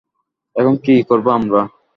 এখন কী করবো আমরা?